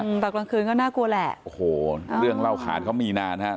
ตอนกลางคืนก็น่ากลัวแหละโอ้โหเรื่องเล่าขาดเขามีนานฮะ